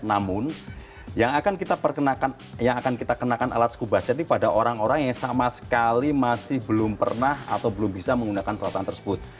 namun yang akan kita perkenakan yang akan kita kenakan alat scuba set ini pada orang orang yang sama sekali masih belum pernah atau belum bisa menggunakan peralatan tersebut